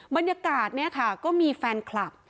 บรรยากาศก็มีแฟนคลับ